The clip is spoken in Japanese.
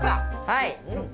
はい！